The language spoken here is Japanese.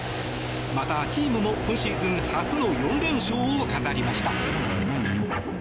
また、チームも今シーズン初の４連勝を飾りました。